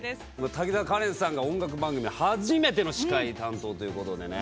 滝沢カレンさんが音楽番組、初めての司会担当ということでね。